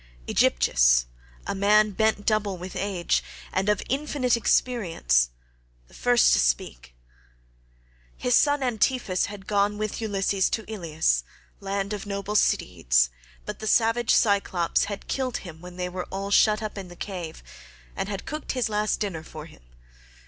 Aegyptius, a man bent double with age, and of infinite experience, was the first to speak. His son Antiphus had gone with Ulysses to Ilius, land of noble steeds, but the savage Cyclops had killed him when they were all shut up in the cave, and had cooked his last dinner for him.